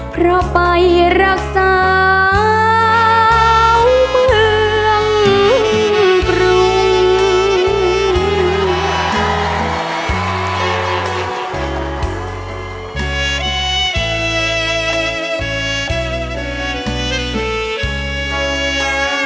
เพราะไปรักษาเมืองกรุง